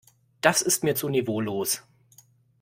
Das ist mir zu niveaulos.